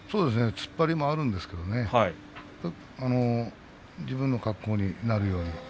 突っ張りもあるんですけど自分の格好になるように。